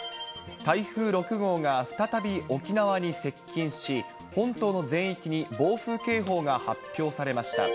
台風６号が再び沖縄に接近し、本島の全域に暴風警報が発表されました。